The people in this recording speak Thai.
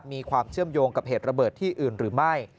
มีความเชื่อมโยงกับเหตุระเบิดที่อื่นหรือไม่